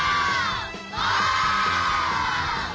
お！